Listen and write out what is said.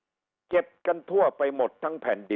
ประชาชนทั่วไปหมดเจ็บกันทั่วไปหมดทั้งแผ่นดิน